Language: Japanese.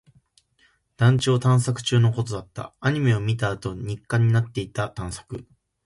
団地を探索中のことだった。アニメを見たあとの日課になった探索。